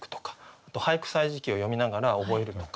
あと「俳句歳時記」を読みながら覚えるとか。